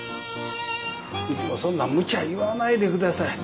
いつもそんな無茶言わないでください。